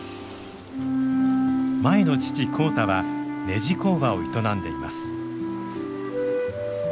舞の父浩太はねじ工場を営んでいます。